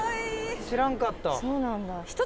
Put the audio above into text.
知らんかった。